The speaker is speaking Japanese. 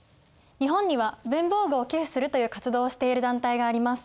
日本には文房具を寄付するという活動をしている団体があります。